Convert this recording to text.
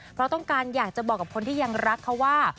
เพราะต้องการอยากจะบอกกับคนที่ยังรักเขาว่า